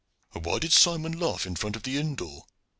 "And why did Simon laugh in front of the inn door!"